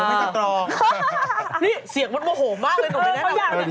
ไม่ใช่อั้มว่าเป็นเร็ววงเป็นริ๊ง